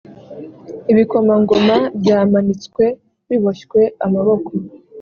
Ibikomangoma byamanitswe biboshywe ukuboko